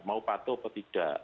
mau patuh atau tidak